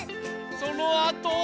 そのあとは。